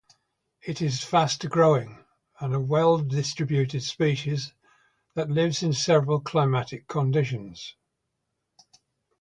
It is fast-growing and well-distributed species that lives in several climatic conditions.